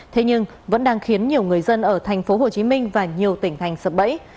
thế nhưng vẫn đang khiến nhiều người dân ở thành phố hồ chí minh và nhiều tỉnh thành sập bẫy